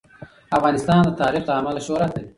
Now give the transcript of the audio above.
افغانستان د تاریخ له امله شهرت لري.